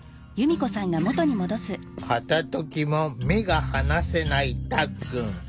片ときも目が離せないたっくん。